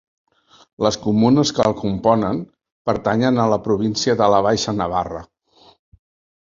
Les comunes que el componen pertanyen a la província de la Baixa Navarra.